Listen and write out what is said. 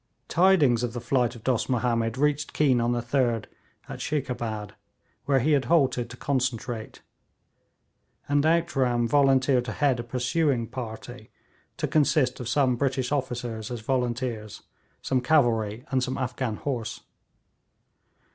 Tidings of the flight of Dost Mahomed reached Keane on the 3d, at Sheikabad, where he had halted to concentrate; and Outram volunteered to head a pursuing party, to consist of some British officers as volunteers, some cavalry and some Afghan horse.